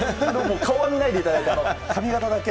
顔は見ないでいただいて、髪形だけ。